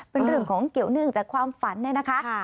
เป็นเรื่องของเกี่ยวเนื่องจากความฝันเนี่ยนะคะ